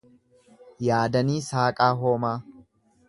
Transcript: Yaadanii Saaqaa Hoomaa